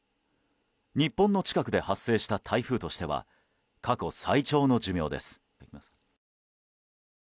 日本の近くで発生した台風としては過去最長の寿命です。